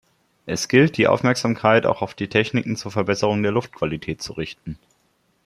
Es gilt, die Aufmerksamkeit auch auf die Techniken zur Verbesserung der Luftqualität zu richten.